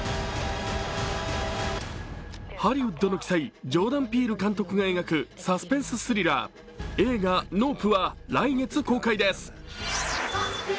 ハリウッドの鬼才ジョーダン・ピール監督が描くサスペンススリラー、映画「ＮＯＰＥ／ノープ」は来月公開です。